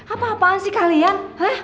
apa apaan sih kalian